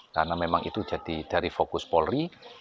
karena memang itu jadi dari fokus polri